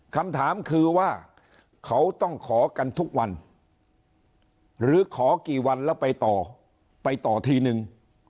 คำถามคือว่าเขาต้องขอกันทุกวันหรือขอกี่วันแล้วไปต่อไปต่อทีนึง